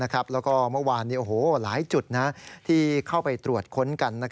แล้วก็เมื่อวานหลายจุดที่เข้าไปตรวจค้นกัน